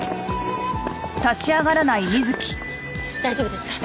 大丈夫ですか？